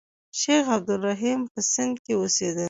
شیخ عبدالرحیم په سند کې اوسېدی.